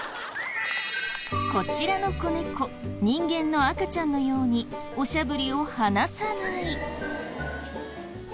こちらの子猫人間の赤ちゃんのようにおしゃぶりを離さない。